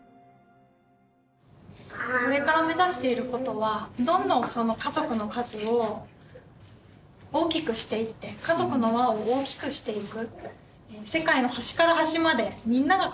これから目指している事はどんどん家族の数を大きくしていって家族の輪を大きくしていく。